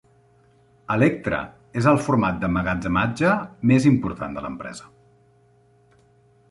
Elektra és el format d'emmagatzematge més important de l'empresa.